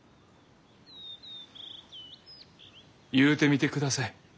言うてみてください。